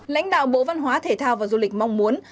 lãnh đạo bộ văn hóa thể thao và du lịch mong muốn